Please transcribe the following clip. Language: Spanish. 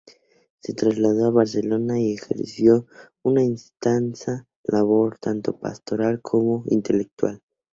Se trasladó a Barcelona y ejerció una intensa labor tanto pastoral como intelectual.